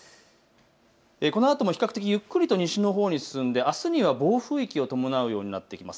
このあとも比較的ゆっくり西のほうに進んであすには暴風域を伴うようになっています。